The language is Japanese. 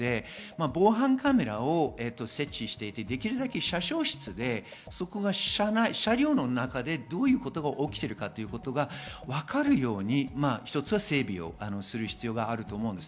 防犯カメラを設置していて、できるだけ車掌室で車両の中でどういうことが起きているかがわかるように整備する必要があります。